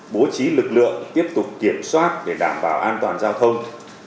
bố trí lực lượng tiếp tục kiểm soát để đảm bảo an toàn giao thông